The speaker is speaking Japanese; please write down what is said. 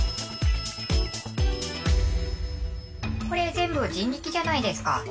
これ全部人力じゃないですか。